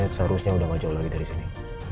jalan hamet seharusnya udah gak jauh lagi dari sini